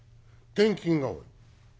転勤が多い。